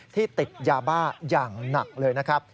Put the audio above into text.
ติดยาบ้าอย่างหนักเลยนะครับ